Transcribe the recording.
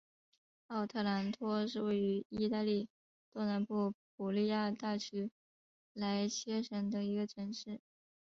奥特朗托是位于义大利东南部普利亚大区莱切省的一个城市。